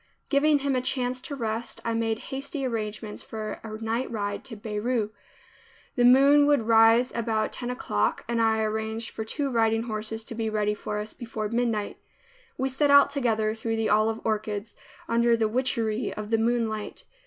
Giving him a chance to rest, I made hasty arrangements for a night ride to Beirut. The moon would rise about ten o'clock and I arranged for two riding horses to be ready for us before midnight. We set out together through the olive orchards under the witchery of the moonlight.